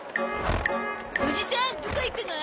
おじさんどこ行くの？